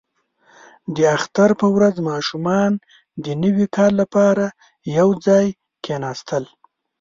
• د اختر په ورځ ماشومان د نوي کال لپاره یو ځای کښېناستل.